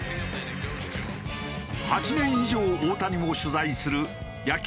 ８年以上大谷を取材する野球